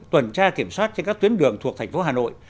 tuần tra kiểm soát trên các tuyến đường thuộc tp hà nội